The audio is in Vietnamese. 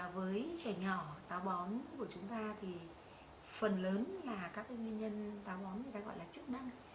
với trẻ nhỏ táo bón của chúng ta thì phần lớn là các cái nguyên nhân táo món người ta gọi là chức năng